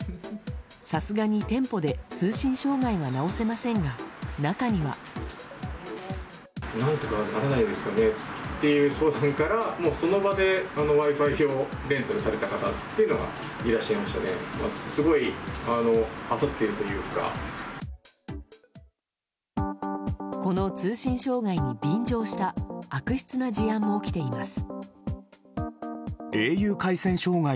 さすがに店舗で通信障害は直せませんが中には。この通信障害に便乗した悪質な事案も起きています。